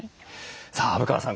さあ虻川さん